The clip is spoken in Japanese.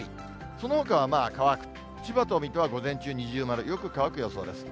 そのほかは乾く、千葉と水戸は午前中、二重丸、よく乾く予想です。